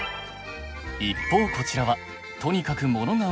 一方こちらはとにかくモノが多いキッチン。